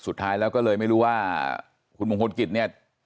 สุดท้ายแล้วก็เลยไม่รู้ว่าคุณมงคลกิจเนี่ย